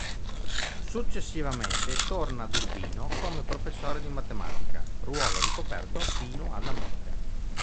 Successivamente torna ad Urbino come professore di matematica, ruolo ricoperto fino alla morte.